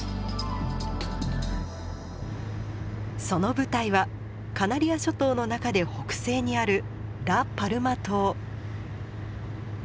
その舞台はカナリア諸島の中で北西にあるラ・パルマ島。